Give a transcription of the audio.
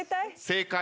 正解！